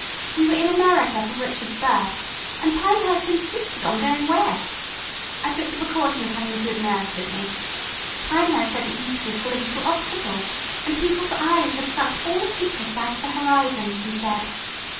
We were in America for Rrchud's birth, and Pinehurst insisted on going West. I took the precaution of having a good nurse with me. Pinehurst said the East was full of little obstacles, and people's eyes had sucked all the secrets out of the horizon, he said.